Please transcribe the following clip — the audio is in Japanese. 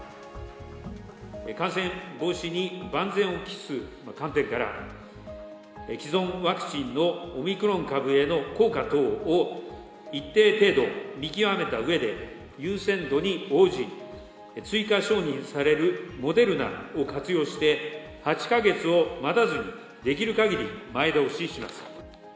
感染防止に万全を期す観点から、既存ワクチンのオミクロン株への効果等を一定程度見極めたうえで、優先度に応じ、追加承認されるモデルナを活用して、８か月を待たずに、できるかぎり前倒しします。